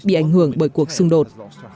bị ảnh hưởng bởi cuộc xung đột